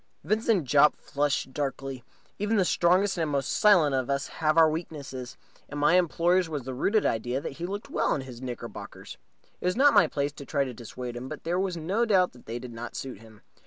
Vincent Jopp flushed darkly. Even the strongest and most silent of us have our weaknesses, and my employer's was the rooted idea that he looked well in knickerbockers. It was not my place to try to dissuade him, but there was no doubt that they did not suit him.